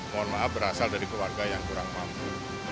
mohon maaf berasal dari keluarga yang kurang mampu